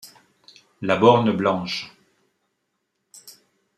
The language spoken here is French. La Borne-Blanche.